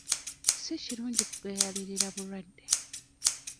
Si kirungi kugayaalirira bulwadde.